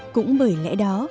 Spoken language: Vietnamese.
cũng bởi lẽ đó